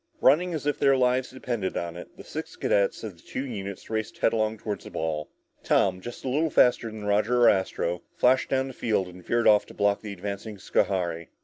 Running as if their lives depended on it, the six cadets of the two units raced headlong toward the ball. Tom, just a little faster than Roger or Astro, flashed down the field and veered off to block the advancing Schohari.